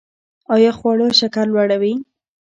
ایا خواږه شکر لوړوي؟